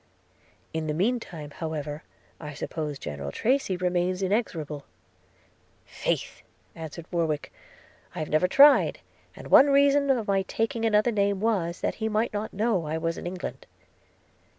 'In the meantime, however, I suppose General Tracy remains inexorable.' 'Faith!' answered Warwick, 'I have never tried; and one reason of my taking another name, was, that he might not know I was in England.'